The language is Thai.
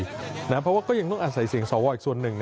เพราะว่าก็ยังต้องอาศัยเสียงสวอีกส่วนหนึ่ง